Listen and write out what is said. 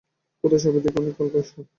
খোদা, সবাই দেখি অনেক অল্পবয়স্ক।